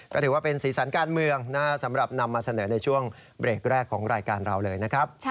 ก็ถือว่าเป็นสีสันการเมืองสำหรับนำมาเสนอในช่วงเบรกแรกของรายการเราเลยนะครับ